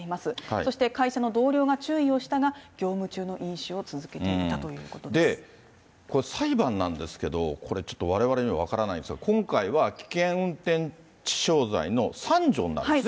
そして会社の同僚が注意をしたが、業務中の飲酒を続けていたというこれ、裁判なんですけれども、これ、ちょっとわれわれには分からないんですが、今回は危険運転致傷罪の３条になるんですね。